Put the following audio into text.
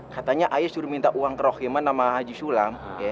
katanya ayah suruh minta uang kerahiman sama haji sulam